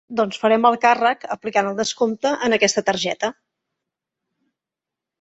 Doncs farem el càrrec, aplicant el descompte, en aquesta targeta.